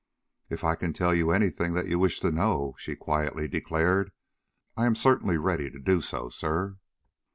"If I can tell you any thing that you wish to know," she quietly declared, "I am certainly ready to do so, sir."